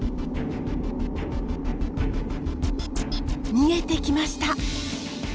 見えてきました。